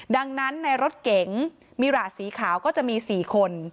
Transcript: ดังนั้นในรถเก๋งมิราสีขาวก็จะมี๔คน